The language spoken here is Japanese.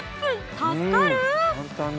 助かる！